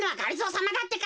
さまだってか。